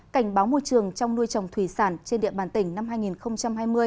cảnh báo môi trường trong nuôi trồng thủy sản trên địa bàn tỉnh năm hai nghìn hai mươi